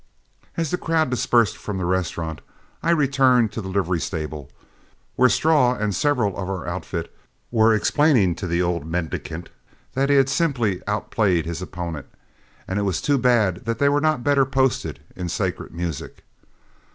As the crowd dispersed from the restaurant, I returned to the livery stable, where Straw and several of our outfit were explaining to the old mendicant that he had simply outplayed his opponent, and it was too bad that they were not better posted in sacred music.